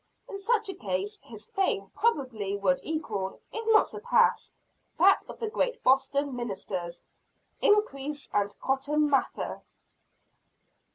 In such a case, his fame probably would equal, if not surpass, that of the great Boston ministers, Increase and Cotton Mather.